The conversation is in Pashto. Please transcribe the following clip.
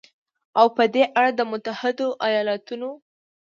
او په دې اړه د متحدو ایالتونو